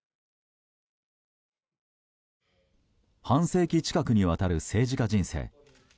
半世紀近くにわたる政治家人生。